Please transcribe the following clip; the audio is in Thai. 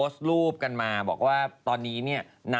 ตกลงไม่ลงนะนี่นะครับ